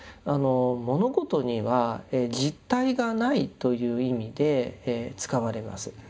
「物事には実体がない」という意味で使われます。